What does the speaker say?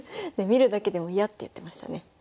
見るだけでも嫌って言ってましたね。